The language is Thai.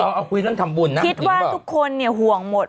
เอ้าคุยเรื่องทำบุญนะจริงหรือเปล่าคิดว่าทุกคนห่วงหมด